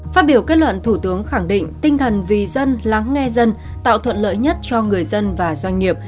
phát biểu kết luận thủ tướng khẳng định tinh thần vì dân lắng nghe dân tạo thuận lợi nhất cho người dân và doanh nghiệp